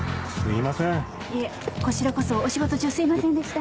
こちらこそお仕事中すいませんでした。